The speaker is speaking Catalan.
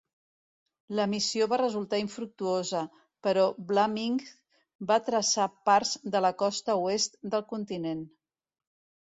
La missió va resultar infructuosa, però Vlamingh va traçar parts de la costa oest del continent.